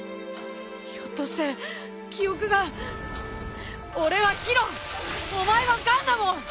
ひょっとして記憶が。俺は宙お前はガンマモン！